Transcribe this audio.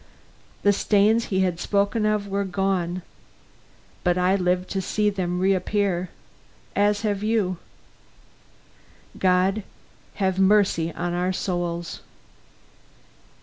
The stains he had spoken of were gone. But I lived to see them reappear, as you have. God have mercy on our souls!